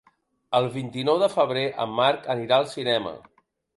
El vint-i-nou de febrer en Marc anirà al cinema.